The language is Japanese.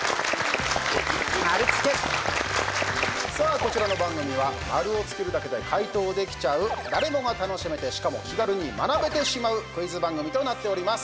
こちらの番組は丸をつけるだけで解答できちゃう誰もが楽しめて、しかも気軽に学べてしまうクイズ番組となっております。